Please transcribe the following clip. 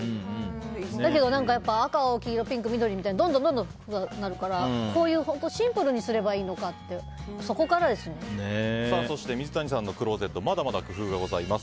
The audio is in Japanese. だけど赤、青黄色、ピンク、緑みたいにどんどんなるからこういうシンプルにすれば水谷さんのクローゼットまだまだ工夫がございます。